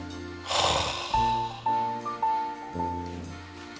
はあ。